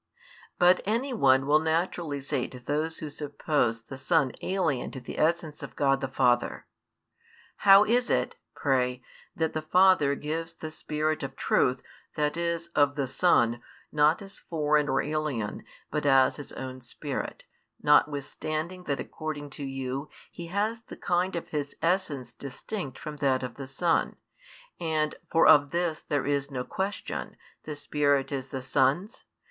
But any one will naturally say to those who suppose the Son alien to the essence of God the Father: "How is it, pray, that the Father gives the Spirit of Truth, that is, of the Son, not as foreign or alien, but as His own Spirit; notwithstanding that according to you He has the kind of His essence distinct from that of the Son, and, for of this there is no question, the Spirit is the Son's?